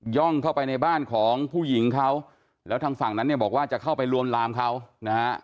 ่องเข้าไปในบ้านของผู้หญิงเขาแล้วทางฝั่งนั้นเนี่ยบอกว่าจะเข้าไปลวนลามเขานะฮะ